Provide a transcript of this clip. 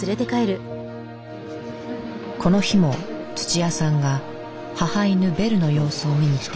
この日も土屋さんが母犬ベルの様子を見に来ていた。